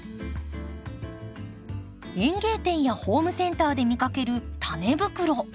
園芸店やホームセンターで見かけるタネ袋。